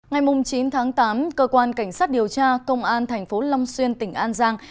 ngày chín tháng tám cơ quan cảnh sát điều tra công an tp long xuyên tỉnh an giang